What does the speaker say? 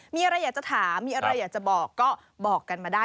มีอะไรอยากจะถามมีอะไรอยากจะบอกก็บอกกันมาได้